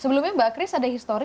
sebelumnya mbak kris ada histori